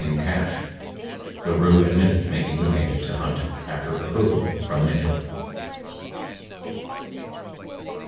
10 La Tvue admitted making the payment to Hunt after approval from Mitchell.